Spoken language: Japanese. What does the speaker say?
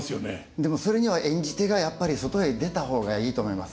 でもそれには演じ手がやっぱり外へ出た方がいいと思います。